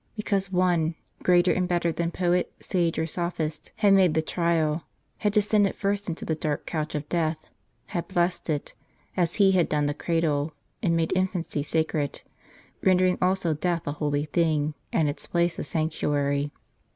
Because One, greater and better than poet, sage, or sophist, had made the trial ; had descended first into the dark couch of death, had blessed it, as He had done the cradle, and made infancy sacred; rendering also death a holy thing, and its place a sanctuary.